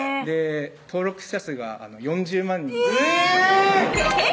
登録者数が４０万人えぇっ！